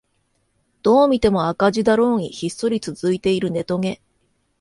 どう見ても赤字だろうにひっそり続いているネトゲ